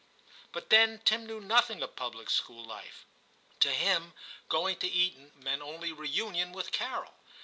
But then Tim knew nothing of public school life ; to him going to Eton 84 TIM CHAP. meant only reunion with Carol.